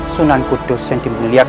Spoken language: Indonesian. sunan kutus sentimun liat